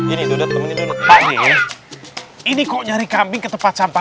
ini duduk ini kok nyari kambing ke tempat sampah